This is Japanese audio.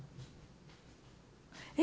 え？